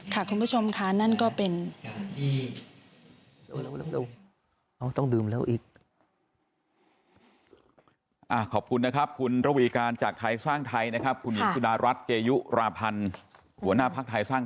ว่าเรามาทำเพื่อเสียสลัดให้กับประชาชนเพราะเรารู้ว่าประชาชนนั้นยากกว่ามาก